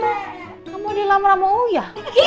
kamu mau dilamar sama uya